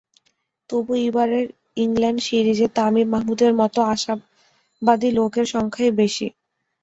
তবু এবারের ইংল্যান্ড সিরিজে তামিম, মাহমুদদের মতো আশাবাদী লোকের সংখ্যাই বেশি।